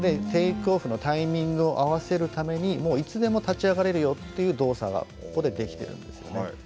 テイクオフのタイミングを合わせるためにもう、いつでも立ち上がれるよという動作がここで、できているんですよね。